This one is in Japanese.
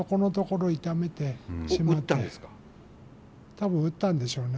多分打ったんでしょうね。